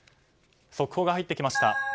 速報が入ってきました。